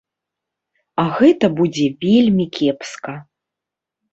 А гэта будзе вельмі кепска.